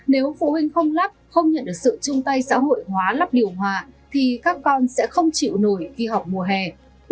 nếu phụ huynh không lắp không nhận được sự chung tay xã hội hóa lắp điều hòa thì các con sẽ không chịu nổi khi học mùa hè